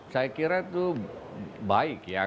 saya kira itu baik ya